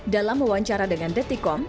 dalam mewawancara dengan dki jakarta